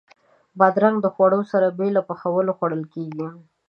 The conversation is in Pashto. بادرنګ د خوړو سره بې له پخولو خوړل کېږي.